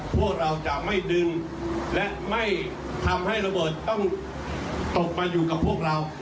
พวกเราจะไม่ดึงและไม่ทำให้ระเบิดต้องตกมาอยู่กับพวกเรา